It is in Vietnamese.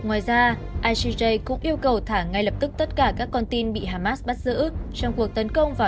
ngoài ra igj cũng yêu cầu thả ngay lập tức tất cả các con tin bị hamas bắt giữ trong cuộc tấn công vào israel vào ngày bảy tháng một mươi năm hai nghìn hai mươi ba